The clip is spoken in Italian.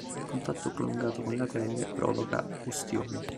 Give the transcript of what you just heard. Il contatto prolungato con la pelle provoca ustioni.